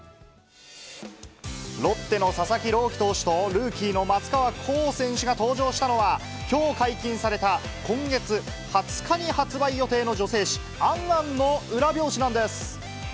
ロッテの佐々木朗希投手と、ルーキーの松川虎生選手が登場したのは、きょう解禁された、今月２０日に発売予定の女性誌、ａｎａｎの裏表紙なんです。